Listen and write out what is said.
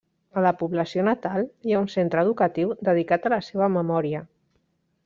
A la població natal, hi ha un centre educatiu dedicat a la seva memòria.